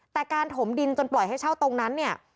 แต่การถมดินจนปล่อยให้เช่าตรงนั้นเนี่ย